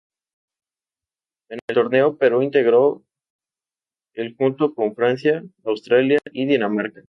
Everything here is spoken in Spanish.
En el torneo Perú integró el junto con Francia, Australia y Dinamarca.